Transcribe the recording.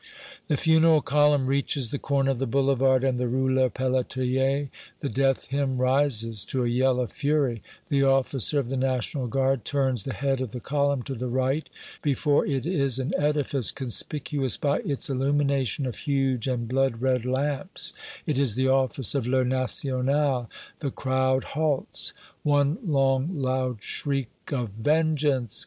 The funeral column reaches the corner of the Boulevard and the Rue Lepelletier the death hymn rises to a yell of fury the officer of the National Guard turns the head of the column to the right before it is an edifice conspicuous by its illumination of huge and blood red lamps it is the office of "Le National" the crowd halts one long loud shriek of "Vengeance!"